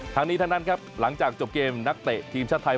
ทั้งนี้ทั้งนั้นครับหลังจากจบเกมนักเตะทีมชาติไทย